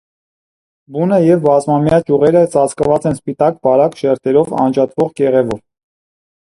Բունը և բազմամյա ճյուղերը ծածկված են սպիտակ, բարակ շերտերով անջատվող կեղևով։